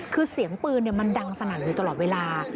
คือเสียงปืนมันดังสนั่นอยู่ตลอดเวลา